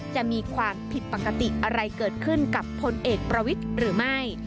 จะมีความผิดปกติอะไรเกิดขึ้นกับพลเอกประวิทย์หรือไม่